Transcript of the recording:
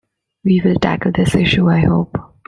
We will tackle this issue, I hope.